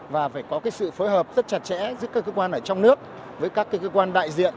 và phải có sự phối hợp rất chặt chẽ giữa các cơ quan ở trong nước với các cơ quan đại diện